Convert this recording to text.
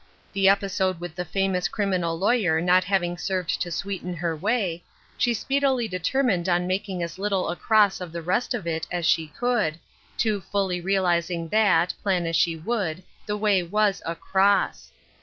The episode with the fara ous criminal lawyer not having served to sweeten her way, she speedily determined on making as little a cross of the rest of it as she could, too fully realizing that, plan as she would, the waj was a cross.